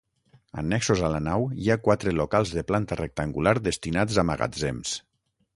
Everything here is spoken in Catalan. Annexos a la nau, hi ha quatre locals de planta rectangular destinats a magatzems.